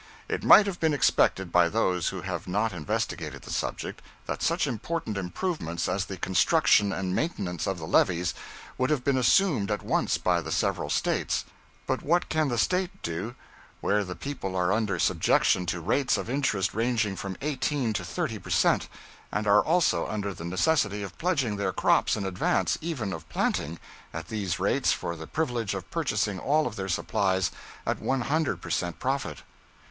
It might have been expected by those who have not investigated the subject, that such important improvements as the construction and maintenance of the levees would have been assumed at once by the several States. But what can the State do where the people are under subjection to rates of interest ranging from 18 to 30 per cent., and are also under the necessity of pledging their crops in advance even of planting, at these rates, for the privilege of purchasing all of their supplies at 100 per cent. profit?